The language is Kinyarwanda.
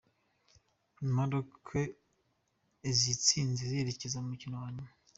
na Maroc izitsinze zikerekeza ku mukino wa nyuma.